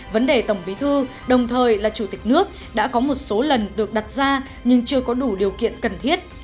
vấn đề tổng bí thư đồng thời là chủ tịch nước đã có một số lần được đặt ra nhưng chưa có đủ điều kiện cần thiết